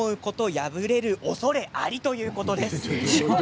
破れるおそれありということです。